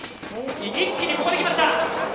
一気にここできました！